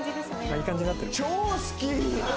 いい感じになってる？